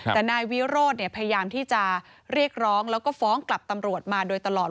แต่นายวิโรธพยายามที่จะเรียกร้องแล้วก็ฟ้องกลับตำรวจมาโดยตลอด